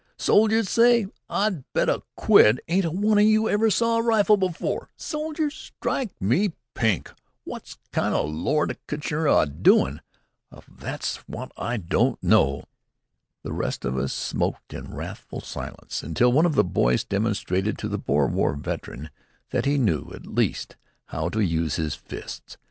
Soldiers! S'y! I'll bet a quid they ain't a one of you ever saw a rifle before! Soldiers? Strike me pink! Wot's Lord Kitchener a doin' of, that's wot I want to know!" The rest of us smoked in wrathful silence, until one of the boys demonstrated to the Boer War veteran that he knew, at least, how to use his fists.